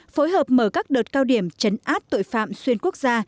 phối hợp mở các đợt cao điểm chấn áp tội phạm xuyên quốc gia